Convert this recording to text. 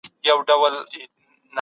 خپل هیلې مه هېروئ.